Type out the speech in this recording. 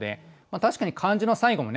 確かに漢字の最後もね